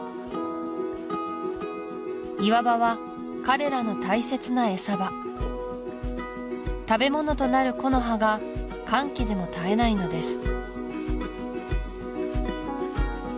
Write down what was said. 岩場は彼らの大切なエサ場食べ物となる木の葉が乾季でも絶えないのです